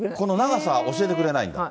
この長さは教えてくれないんだ。